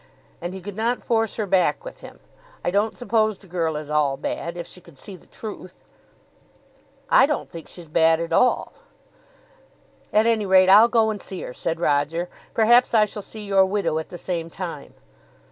And he could not force her back with him. I don't suppose the girl is all bad, if she could see the truth." "I don't think she's bad at all." "At any rate I'll go and see her," said Roger. "Perhaps I shall see your widow at the same time."